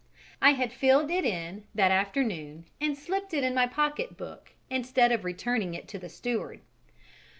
I had filled it in that afternoon and slipped it in my pocket book instead of returning it to the steward.